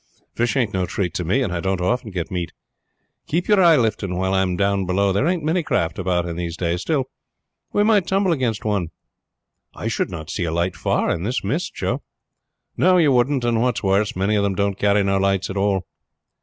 Fish ain't no treat to me, and I don't often get meat. Keep your eye lifting while I am down below. There ain't many craft about in these days, still we might tumble against one." "I should not see a light far in this mist, Joe." "No, you couldn't; and what's worse, many of them don't carry no lights at all."